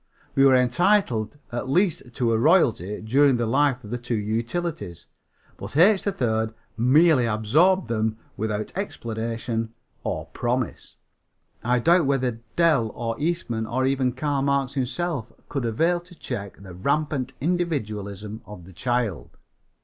We were entitled at least to a royalty during the life of the two utilities, but H. 3rd merely absorbed them without explanation or promise. I doubt whether Dell or Eastman or even Karl Marx himself could avail to check the rampant individualism of the child.